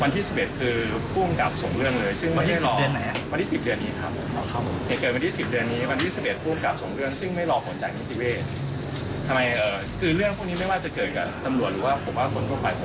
แต่ว่าตอนนี้ผู้กำกับมาบอกว่าใช้ไม่ได้